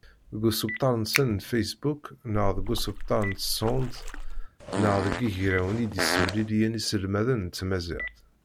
Deg usebter-nsen n facebook neɣ deg usebter n tesɣunt neɣ deg yigrawen i d-yessemliliyen iselmaden n tmaziɣt.